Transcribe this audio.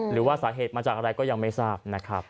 หรือว่าสาเหตุมาจากอะไรก็ยังไม่ทราบนะครับ